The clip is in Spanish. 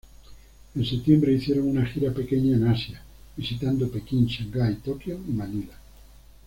En septiembre hicieron una gira pequeña en Asia, visitando Pekín, Shanghái, Tokio, y Manila.